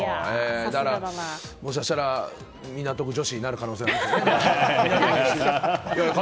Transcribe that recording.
だから、もしかしたら港区女子になる可能性がありますね。